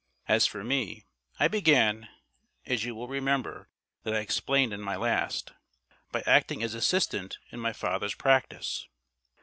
As for me I began, as you will remember that I explained in my last, by acting as assistant in my father's practice.